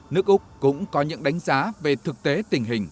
nước úc cũng có những đánh giá về thực tế tình hình